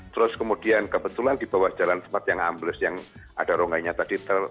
terus kemudian kebetulan di bawah jalan sempat yang ambles yang ada rongganya tadi